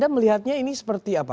melihatnya ini seperti apa